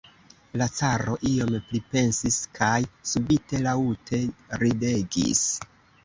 La caro iom pripensis kaj subite laŭte ridegis.